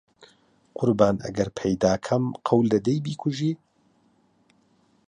قوربان ئەگەر پەیدا کەم قەول دەدەی بیکوژی؟